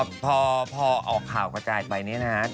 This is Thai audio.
ครับพอออกข่าวกระจายไปนี่นะครับ